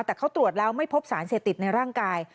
แต่เขาตรวจแล้วไม่พบสารเสพติดในร่างกาย